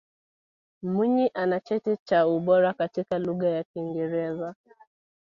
Mwinyi ana cheti cha ubora katika Lugha ya Kiingereza